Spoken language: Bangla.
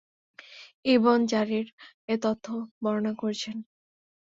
ইবন জারীর এ তথ্য বর্ণনা করেছেন।